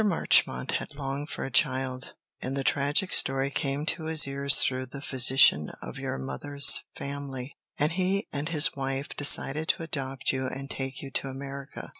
Marchmont had longed for a child, and the tragic story came to his ears through the physician of your mother's family, and he and his wife decided to adopt you and take you to America.